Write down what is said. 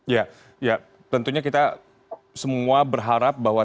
ya tentunya kita semua berharap bahwa